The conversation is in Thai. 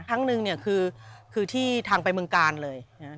ทั้งนึงคือทางไปเมืองกาลเลย